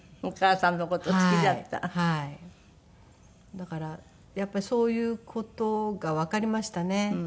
だからやっぱりそういう事がわかりましたね。